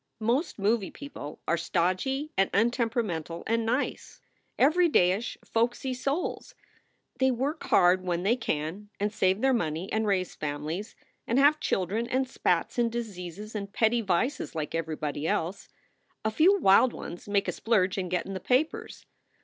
Most movie people are stodgy and untempera mental and nice, everydayish, folksy souls. They work hard when they can, and save their money, and raise families, and have children and spats and diseases and petty vices like everybody else. A few wild ones make a splurge and get in the papers.